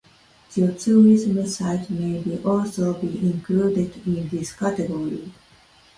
Geotourism sites may also be included in this category.